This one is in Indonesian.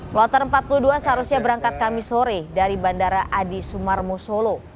kloter empat puluh dua seharusnya berangkat kami sore dari bandara adi sumarmo solo